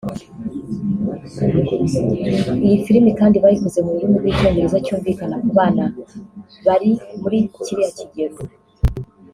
Iyi filime kandi bayikoze mu rurimi rw’icyongereza cyumvikana ku bana bari muri kiriya kigero